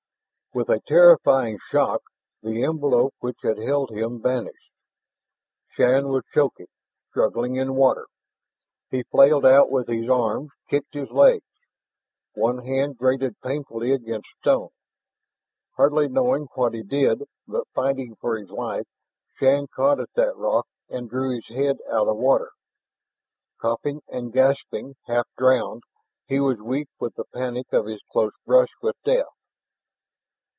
With a terrifying shock, the envelope which had held him vanished. Shann was choking, struggling in water. He flailed out with his arms, kicked his legs. One hand grated painfully against stone. Hardly knowing what he did, but fighting for his life, Shann caught at that rock and drew his head out of water. Coughing and gasping, half drowned, he was weak with the panic of his close brush with death.